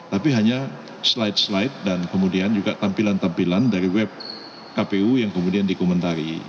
tapi hanya slide slide dan kemudian juga tampilan tampilan dari web kpu yang kemudian dikomentari